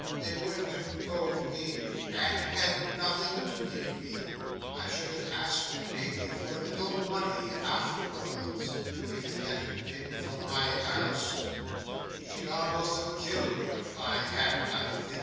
They wouldn't have owned me, and had nothing to give me. I should have asked 'em, maybe, for a little money, afterwards, if it hadn't been for my Alice; she'd a'most have killed me, if I had, I think.